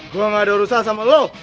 gue gak ada urusan sama lo